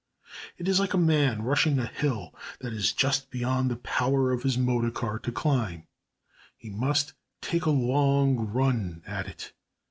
It is like a man rushing a hill that is just beyond the power of his motor car to climb, he must take a long run at it.